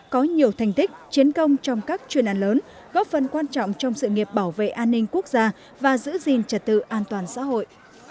có nhiều thành tích chiến công trong các chuyên án lớn góp phần quan trọng trong sự nghiệp bảo vệ an ninh quốc gia và giữ gìn trật tự an toàn xã hội